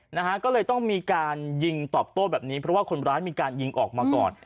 นะฮะก็เลยต้องมีการยิงตอบโต้แบบนี้เพราะว่าคนร้ายมีการยิงออกมาก่อน